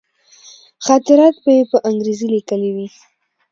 خاطرات به یې په انګرېزي لیکلي وي.